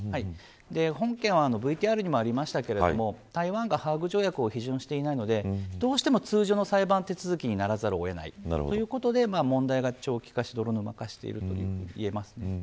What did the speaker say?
本件はＶＴＲにもありましたが台湾がハーグ条約を批准していないのでどうしても通常の裁判手続きにならざるを得ないということで問題が長期化して泥沼化しているといえます。